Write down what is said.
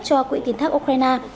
cho quỹ kiến thắc ukraine